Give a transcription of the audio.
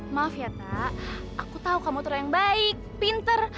maaf yata aku tahu kamu terlalu baik pinter